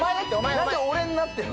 なんで俺になってるの？